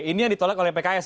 ini yang ditolak oleh pks